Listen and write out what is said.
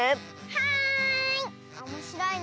はい！